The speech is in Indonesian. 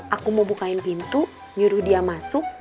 aku mau bukain pintu nyuruh dia masuk